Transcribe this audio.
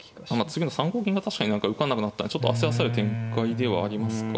次の３五銀が確かに受かんなくなったんでちょっと焦らされる展開ではありますか。